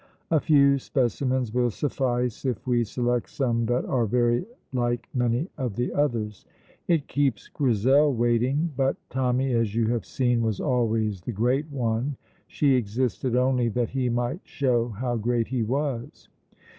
A few specimens will suffice if we select some that are very like many of the others. It keeps Grizel waiting, but Tommy, as you have seen, was always the great one; she existed only that he might show how great he was.